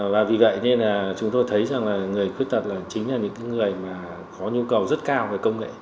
và vì vậy nên là chúng tôi thấy rằng là người khuyết tật chính là những người mà có nhu cầu rất cao về công nghệ